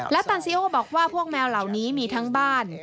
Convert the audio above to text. และตันซีโอบอกว่าพวกแมวเหล่านี้มีทั้งบ้าน